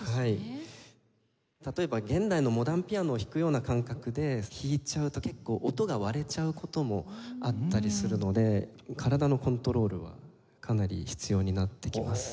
例えば現代のモダンピアノを弾くような感覚で弾いちゃうと結構音が割れちゃう事もあったりするので体のコントロールはかなり必要になってきます。